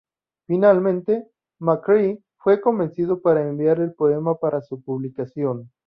Finalmente, McCrae fue convencido para enviar el poema para su publicación.